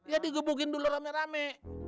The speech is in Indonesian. ya digebukin dulu rame rame